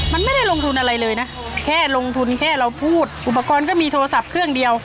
มันไม่ได้ลงทุนอะไรเลยนะแค่ลงทุนแค่เราพูดอุปกรณ์ก็มีโทรศัพท์เครื่องเดียว